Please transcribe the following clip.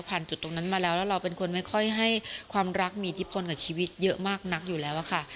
จุดตรงนั้นมาแล้วแล้วเราเป็นคนไม่ค่อยให้ความรักมีอิทธิพลกับชีวิตเยอะมากนักอยู่แล้วอะค่ะ